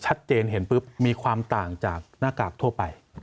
ชัดเจนเห็นปุ๊บมีความต่างจากหน้ากากทั่วไป